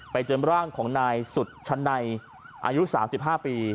ไปเจอร่างของนายสุดชะนัยอายุ๓๕ปี